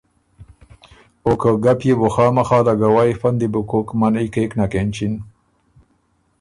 او که ګپ يې بو خامخا لګوئ فۀ ن دی بُو کوک منعئ کېک نک اېنچِن۔